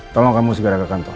tolong kamu segera ke kantor